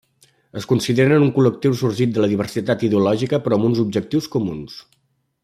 Es consideren un col·lectiu sorgit de la diversitat ideològica però amb uns objectius comuns.